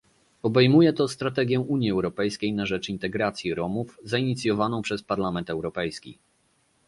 Obejmuje to strategię Unii Europejskiej na rzecz integracji Romów, zainicjowaną przez Parlament Europejski